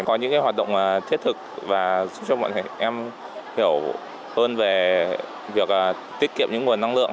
có những hoạt động thiết thực và giúp cho mọi người em hiểu hơn về việc tiết kiệm những nguồn năng lượng